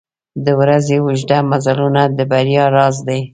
• د ورځې اوږده مزلونه د بریا راز دی.